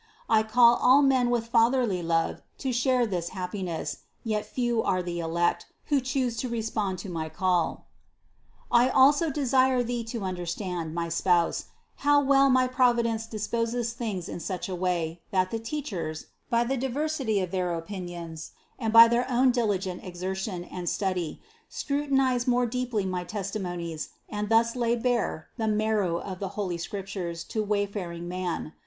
I call all men with fatherly love to share this happiness, yet few are the elect, who choose to respond to my call." 79. "I also desire thee to understand, my spouse, how well my Providence disposes things in such a way, that the teachers, by the diversity of their opinions, and by their own diligent exertion and study, scrutinize more deeply my testimonies and thus lay bare the marrow of 82 CITY OF GOD the holy Scriptures to wayfaring men.